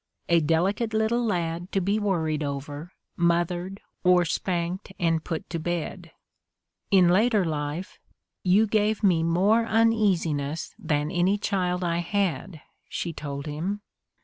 a delicate little lad to be worried over, mothered, or spanked and put to bed." In later life, "you gave me more uneasi ness than any child I had," she told him.